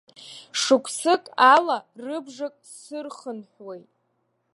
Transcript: Шықәсык ала рыбжак сырхынҳәуеит.